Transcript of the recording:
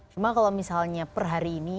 cuma kalau misalnya per hari ini